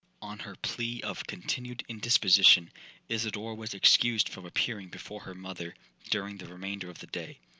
'On her plea of continued indisposition, Isidora was excused from appearing before her mother during the remainder of the day.